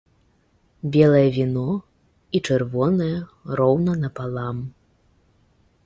Белае віно і чырвонае роўна напалам.